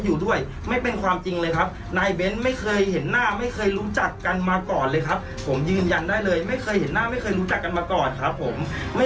สนุนโดยสายการบินไทยนครปวดท้องเสียขับลมแน่นท้อง